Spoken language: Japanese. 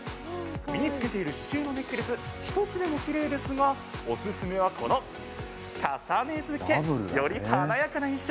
身につけている刺しゅうのネックレス１つでもきれいですがおすすめは、この重ねづけ。より華やかな印象。